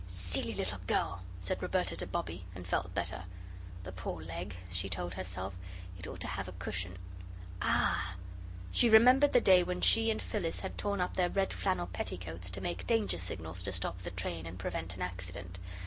"SILLY little girl!" said Roberta to Bobbie, and felt better. "The poor leg," she told herself; "it ought to have a cushion ah!" She remembered the day when she and Phyllis had torn up their red flannel petticoats to make danger signals to stop the train and prevent an accident.